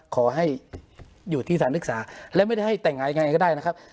ขอให้อยู่ที่สถานศึกษาและไม่ได้ให้แต่งงานยังไงก็ได้นะครับ